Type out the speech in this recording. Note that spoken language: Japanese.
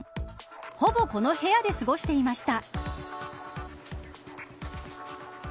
ほぼこの部屋で過ごしていました。